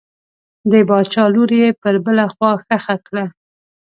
د باچا لور یې پر بله خوا ښخه کړه.